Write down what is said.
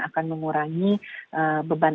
akan mengurangi beban